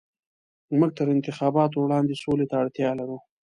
موږ تر انتخاباتو وړاندې سولې ته اړتيا لرو.